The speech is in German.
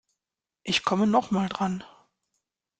Ich komme noch mal dran.